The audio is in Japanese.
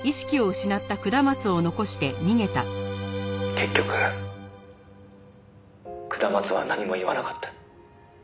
「結局下松は何も言わなかった」